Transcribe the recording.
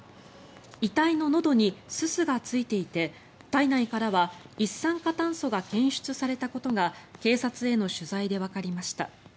遺体ののどにすすがついていて体内からは一酸化炭素が検出されたことが警察への取材でわかりました。